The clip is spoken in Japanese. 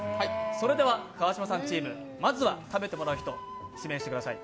それでは川島さんチーム、まずは食べてもらう人を指名してください。